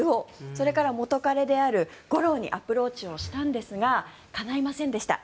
それから元彼であるゴローにアプローチをしたんですがかないませんでした。